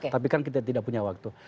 tapi kan kita tidak punya waktu